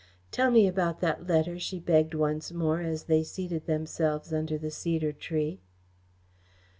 "Tell me about that letter," she begged once more, as they seated themselves under the cedar tree.